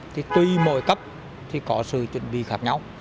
thì tùy mỗi cấp thì có sự chuẩn bị khác nhau